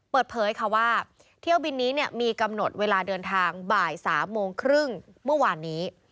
เปิดเผยค่ะว่าเที่ยวบินนี้มีกำหนดเวลาเดินทางบ่าย๓โมงครึ่งเมื่อวานนี้